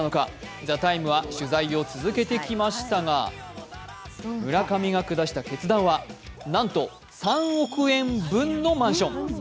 「ＴＨＥＴＩＭＥ，」は取材を続けてきましたが、村上が下した決断は、なんと３億円分のマンション。